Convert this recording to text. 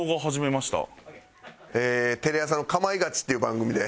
テレ朝の『かまいガチ』っていう番組で。